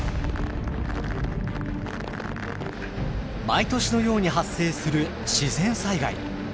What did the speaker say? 毎年のように発生する自然災害。